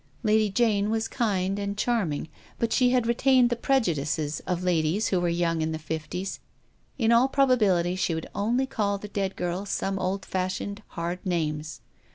Lady Jane was kind and charming, but she had retained the preju dices of ladies who were young in the fifties. In all probability she would only call the 264 TEE 8T0RY OF A MODERN WOMAN. dead girl some old fashioned hard names.